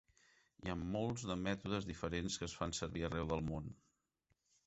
Hi ha molts de mètodes diferents que es fan servir arreu del món.